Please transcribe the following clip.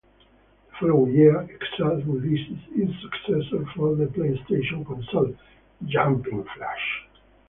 The following year, Exact released its successor for the PlayStation console, Jumping Flash!